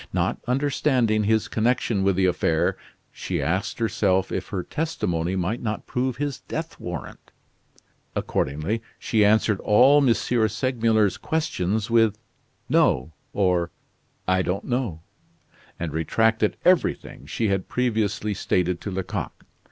Not understanding his connection with the affair, she asked herself if her testimony might not prove his death warrant. Accordingly, she answered all M. Segmuller's questions with "no" or "I don't know"; and retracted everything she had previously stated to Lecoq.